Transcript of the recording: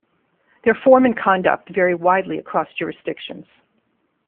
Their form and conduct vary widely across jurisdictions.